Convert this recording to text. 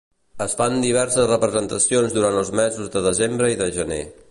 Es fan diverses representacions durant els mesos de desembre i de gener.